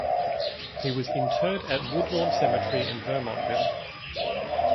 He was interred at Woodlawn Cemetery in Vermontville.